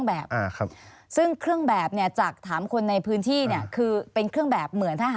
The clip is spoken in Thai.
แต่งเครื่องแบบใช้คำว่าแต่งเครื่องแบบ